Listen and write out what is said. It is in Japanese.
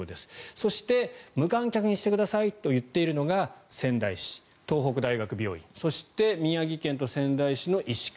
そして、無観客にしてくださいと言っているのが仙台市、東北大学病院そして、宮城県と仙台市の医師会